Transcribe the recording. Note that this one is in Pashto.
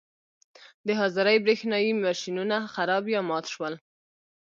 د حاضرۍ برېښنايي ماشینونه خراب یا مات شول.